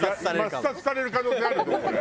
抹殺される可能性あるよこれ。